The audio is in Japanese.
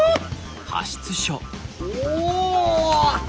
お！